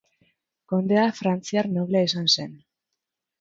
Kondea, frantziar noblea izan zen.